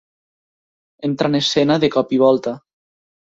Entra en escena de cop i volta.